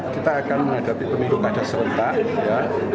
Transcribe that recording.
kita akan menghadapi pemilu kadar seretap